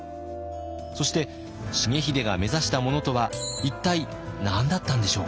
そして重秀が目指したものとは一体何だったんでしょうか？